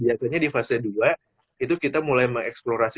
kita bisa mendapatkan pengetahuan kita bisa mendapatkan pengetahuan